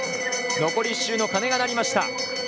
残り１周の鐘が鳴りました。